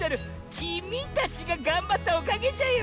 「きみ」たちががんばったおかげじゃよ。